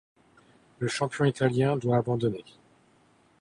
Le champion italien doit abandonner.